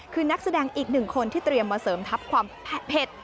คือนักแสดงอีกหนึ่งคนที่เตรียมมาเสริมทัพความเผ็ด